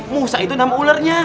musa itu nama ulernya